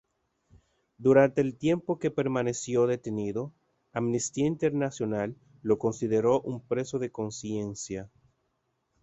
Durante el tiempo que permaneció detenido, Amnistía Internacional lo consideró un preso de conciencia.